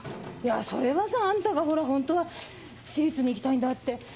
それはさあんたがほらホントは私立に行きたいんだって